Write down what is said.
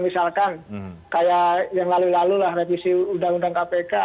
misalkan kayak yang lalu lalu lah revisi undang undang kpk